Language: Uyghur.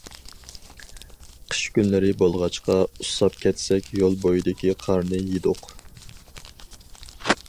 قىش كۈنلىرى بولغاچقا، ئۇسساپ كەتسەك يول بويىدىكى قارنى يېدۇق.